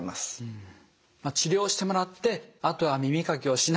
治療してもらってあとは耳かきをしない。